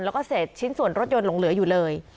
แล้วก็เศษชิ้นส่วนรถยนต์หลงเหลืออยู่เลย